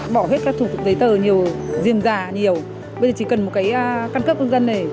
bỏ hết các thủ tục giấy tờ nhiều diêm già nhiều bây giờ chỉ cần một cái căn cước công dân này